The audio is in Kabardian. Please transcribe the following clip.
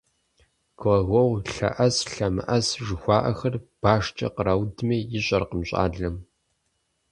«Глагол лъэӀэс, лъэмыӀэс» жыхуаӀэхэр башкӀэ къраудми ищӀэркъым щӀалэм.